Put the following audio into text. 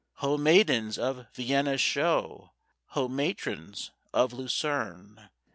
Ho, maidens of Vienna's show! Ho, matrons of Lucerne!